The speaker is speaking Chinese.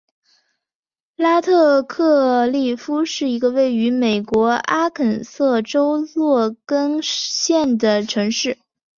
拉特克利夫是一个位于美国阿肯色州洛根县的城市。